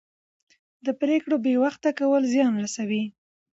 د پرېکړو بې وخته کول زیان رسوي